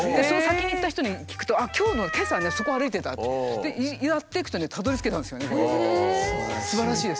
その先に行った人に聞くと「今日のけさそこ歩いてた」って。ってやっていくとねたどりつけたんですよね。